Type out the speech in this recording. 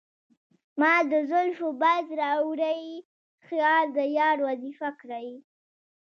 مــــــا د زلفو باد راوړی خیــــــال د یار وظیفه کـــــړی